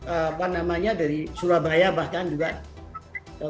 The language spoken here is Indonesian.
apa namanya dari surabaya bahkan juga